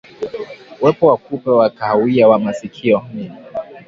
Uwepo wa kupe wa kahawia wa masikioni